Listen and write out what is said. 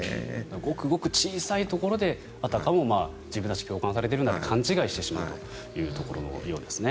ごくごく小さいところであたかも自分たち共感されているんだと勘違いしてしまうというところのようですね。